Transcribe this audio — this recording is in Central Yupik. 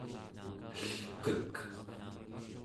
elkek